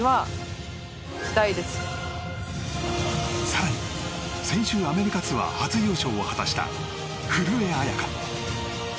更に先週、アメリカツアー初優勝を果たした古江彩佳。